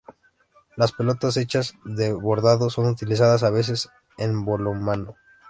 Las pelotas hechas de bordado son utilizadas a veces en balonmano.